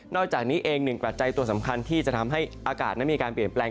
จากนี้เองหนึ่งปัจจัยตัวสำคัญที่จะทำให้อากาศนั้นมีการเปลี่ยนแปลง